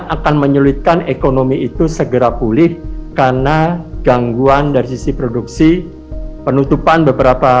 akan menyulitkan ekonomi itu segera pulih karena gangguan dari sisi produksi penutupan beberapa